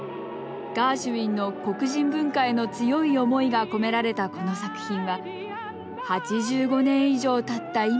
ガーシュウィンの黒人文化への強い思いが込められたこの作品は８５年以上たった